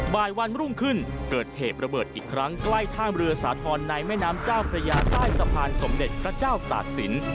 บ่ายวันรุ่งขึ้นเกิดเหตุระเบิดอีกครั้งใกล้ท่ามเรือสาธรณ์ในแม่น้ำเจ้าพระยาใต้สะพานสมเด็จพระเจ้าตากศิลป์